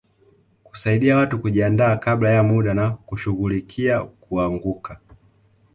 Kusaidia watu kujiandaa kabla ya muda na kushughulikia kuanguka